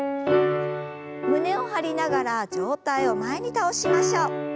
胸を張りながら上体を前に倒しましょう。